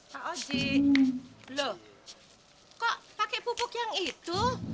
pak ozi loh kok pakai pupuk yang itu